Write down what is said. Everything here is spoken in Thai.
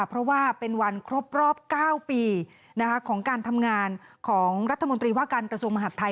เพราะว่าเป็นวันครบรอบ๙ปีของการทำงานของรัฐมนตรีว่าการกระทรวงมหาดไทย